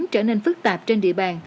trở nên phức tạp trên địa bàn